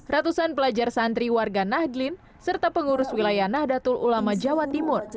ratusan pelajar santri warga nahdlin serta pengurus wilayah nahdlatul ulama jawa timur